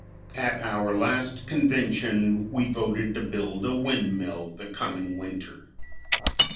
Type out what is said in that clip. At our last convention we voted to build a windmill the coming winter.